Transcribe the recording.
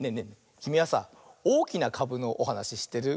きみはさ「おおきなかぶ」のおはなししってる？